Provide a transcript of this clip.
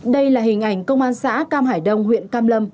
đây là hình ảnh công an xã cam hải đông huyện cam lâm